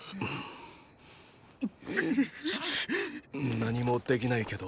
何もできないけど。